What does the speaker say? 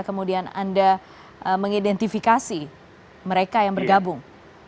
kemudian anda mengidentifikasi mereka yang bergabung